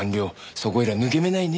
そこいら抜け目ないね。